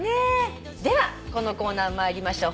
ではこのコーナー参りましょう。